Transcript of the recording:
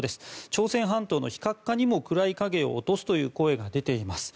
朝鮮半島の非核化にも暗い影を落とすという声が出ています。